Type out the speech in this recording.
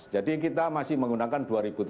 jadi kita masih menggunakan dua ribu tujuh belas